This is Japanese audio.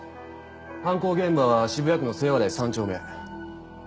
犯行現場は渋谷区のセイワダイ３丁目。